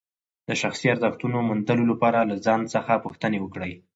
د شخصي ارزښتونو موندلو لپاره له ځان څخه پوښتنې وکړئ.